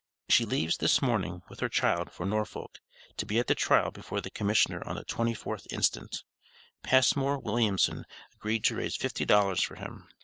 She leaves this morning, with her child, for Norfolk, to be at the trial before the Commissioner on the 24th instant. Passmore Williamson agreed to raise fifty dollars for him.